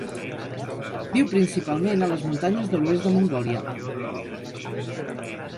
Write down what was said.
Viu principalment a les muntanyes de l'oest de Mongòlia.